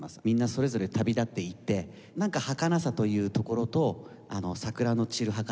みんなそれぞれ旅立っていってなんかはかなさというところと桜の散る